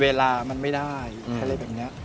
เวลามันไม่ได้ได้เลยแบบนี้